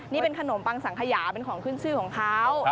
นี่เป็นขนมปังสังขยาเป็นของขึ้นชื่อของเขา